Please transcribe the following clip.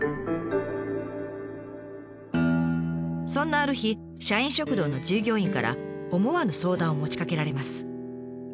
そんなある日社員食堂の従業員から思わぬ相談を持ちかけられます。